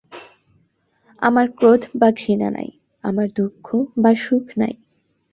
আমার ক্রোধ বা ঘৃণা নাই, আমার দুঃখ বা সুখ নাই।